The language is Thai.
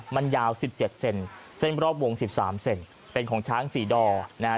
มันยาวสิบเจ็ดเซนเส้นรอบวงสิบสามเซนเป็นของช้างสีดอร์นะฮะ